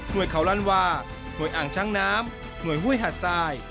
โดยเขาลั่นว่าหน่วยอ่างช่างน้ำหน่วยห้วยหาดทราย